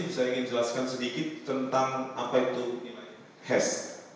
saya ingin jelaskan sedikit tentang apa itu hes